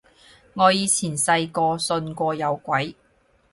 我以前細個信過有鬼